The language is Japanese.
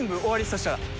そしたら。